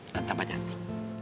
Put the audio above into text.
dan tambah nyantik